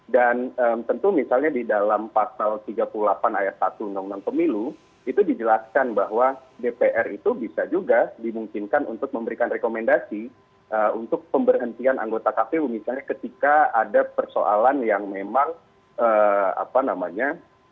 dan tentu misalnya di dalam pasal tiga puluh delapan ayat satu undang undang pemilu itu dijelaskan bahwa dpr itu bisa juga dimungkinkan untuk memberikan rekomendasi untuk pemberhentian anggota kpu misalnya ketika ada persoalan yang memang apa namanya